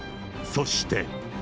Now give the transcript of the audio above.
そして。